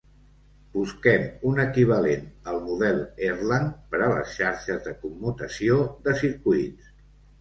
Busquem un equivalent al model Erlang per a les xarxes de commutació de circuits.